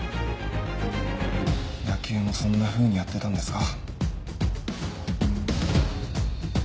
野球もそんなふうにやってたんですか？